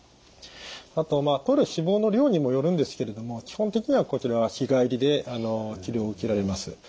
あととる脂肪の量にもよるんですけれども基本的にはこちらは日帰りで治療を受けられます。